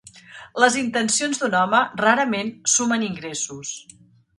Les intencions d'un home rarament sumen ingressos.